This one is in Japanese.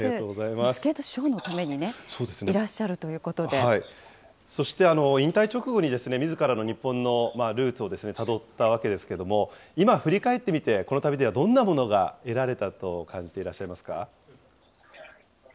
スケートショーのためにね、いらそして引退直後にみずからの日本のルーツをたどったわけですけれども、今振り返ってみて、この旅ではどんなものが得られたと感じていらっしゃいますか。